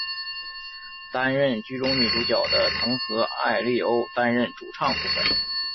担任剧中女主角的藤和艾利欧担当主唱部分。